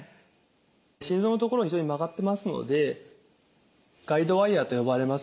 心臓の所非常に曲がってますのでガイドワイヤーと呼ばれます